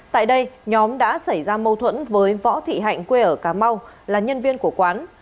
tại đây nhóm đã xảy ra mâu thuẫn với võ thị hạnh quê ở cà mau là nhân viên của quán